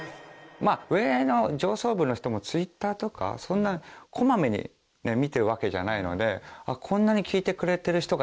上の上層部の人もＴｗｉｔｔｅｒとかそんなこまめに見てるわけじゃないのでこんなに聴いてくれてる人がいるんだみたいな。